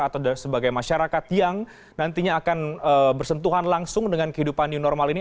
atau sebagai masyarakat yang nantinya akan bersentuhan langsung dengan kehidupan new normal ini